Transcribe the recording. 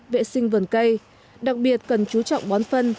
vệ sinh vườn cây đặc biệt cần chú trọng bón phân